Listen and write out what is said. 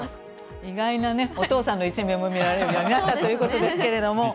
意外なお父さんの一面も見られるようになったということですけれども。